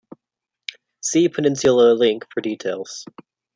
See Peninsula Link for details.